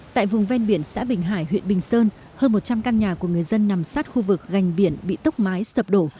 tại vùng ven biển xã bình hải huyện bình sơn hơn một trăm linh căn nhà của người dân nằm sát khu vực gành biển bị tốc mái sập đổ